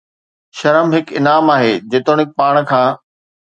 شرم هڪ انعام آهي، جيتوڻيڪ پاڻ کان